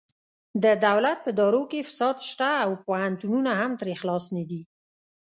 د دولت په ادارو کې فساد شته او پوهنتونونه هم ترې خلاص نه دي